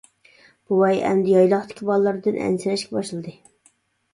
بوۋاي ئەمدى يايلاقتىكى بالىلىرىدىن ئەنسىرەشكە باشلىدى.